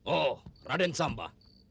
oh raden samba